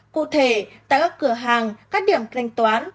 cụ thể tại các cửa hàng các điểm thanh toán